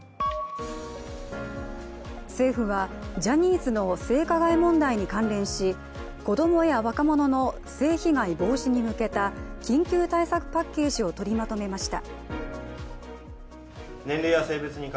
政府は、ジャニーズの性加害問題に関連し子供や若者の性被害防止に向けた緊急対策パッケージを取りまとめました。